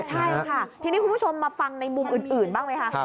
ใช่ค่ะทีนี้คุณผู้ชมมาฟังในมุมอื่นบ้างไหมคะ